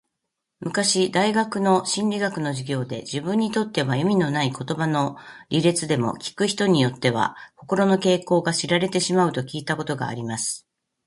昔大学の心理学の授業で、自分にとっては意味のない言葉の羅列でも、聞く人によっては、心の傾向が知られてしまうと聞いたことがあります。